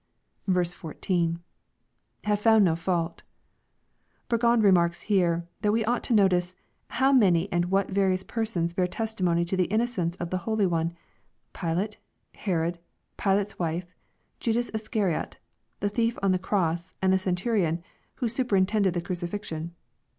14. — [Have found no fauU.'] Burgon remarks here, that we ought to notice, '* how many and what various persons bear testimony to the innocence of the Holy One, — Pilate, Herod, Pilate's wife, Judas Iscariot, the thief on the cross, and the centurion," who su perintended the crucifixion.